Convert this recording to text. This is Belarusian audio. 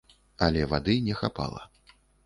Але вады не хапала.